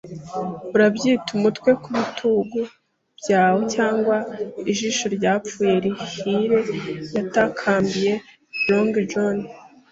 “Urabyita umutwe ku bitugu byawe, cyangwa ijisho ryapfuye rihire?” yatakambiye Long John.